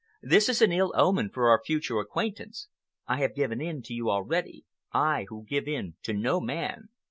This is an ill omen for our future acquaintance. I have given in to you already—I, who give in to no man.